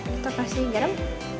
kita kasih garam